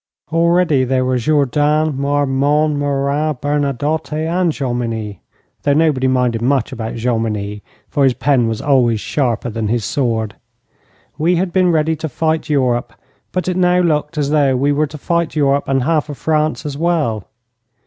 Already there were Jourdan, Marmont, Murat, Bernadotte, and Jomini though nobody minded much about Jomini, for his pen was always sharper than his sword. We had been ready to fight Europe, but it looked now as though we were to fight Europe and half of France as well.